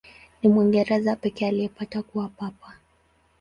Ni Mwingereza pekee aliyepata kuwa Papa.